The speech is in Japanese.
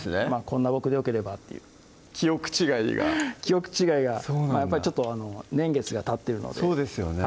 「こんな僕でよければ」っていう記憶違いが記憶違いがやっぱりちょっと年月がたってるのでそうですよね